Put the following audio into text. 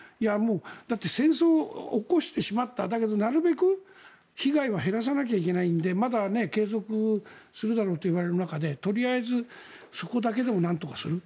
だって戦争を起こしてしまっただけどなるべく被害は減らさなければいけないのでまだ継続するだろうといわれる中でとりあえずそこだけでもなんとかする。